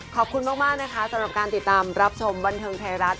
ขอบคุณมากนะคะสำหรับการติดตามรับชมบันเทิงไทยรัฐ